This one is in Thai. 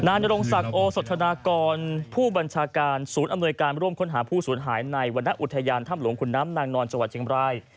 นรงศักดิ์โอสธนากรผู้บัญชาการศูนย์อำนวยการร่วมค้นหาผู้สูญหายในวรรณอุทยานถ้ำหลวงขุนน้ำนางนอนจังหวัดเชียงบราย